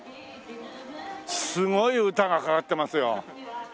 すごい歌がかかってますよ。